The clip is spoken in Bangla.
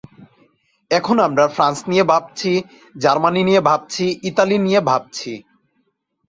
এখন আমরা ফ্রান্স নিয়ে ভাবছি, জার্মানি নিয়ে ভাবছি, ইতালি নিয়ে ভাবছি।